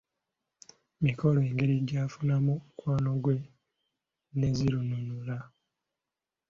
Mikolo engeri gy’afunamu omukwano gwe ne Zinunula.